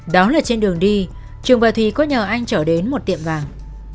đó là trên đường đi trường và thùy có nhờ anh chở đến một tiệm vàng